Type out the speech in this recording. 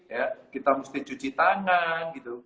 ya kita mesti cuci tangan gitu